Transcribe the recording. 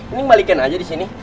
ini malikin aja disini